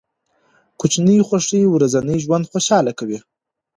کوچني خوښۍ ورځنی ژوند خوشحاله کوي.